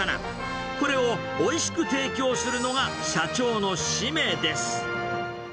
これをおいしく提供するのが社長の使命です。